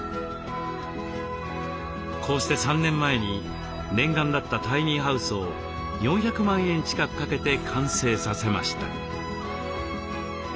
こうして３年前に念願だったタイニーハウスを４００万円近くかけて完成させました。